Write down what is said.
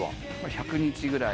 １００日ぐらい。